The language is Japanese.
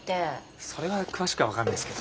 それは詳しくは分かんないすけど。